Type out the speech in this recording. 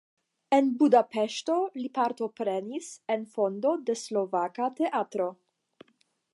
En Budapeŝto li partoprenis en fondo de slovaka teatro.